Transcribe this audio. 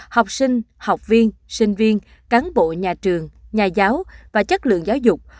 học sinh học viên sinh viên cán bộ nhà trường nhà giáo và chất lượng giáo dục